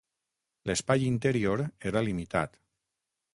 L'espai interior era limitat.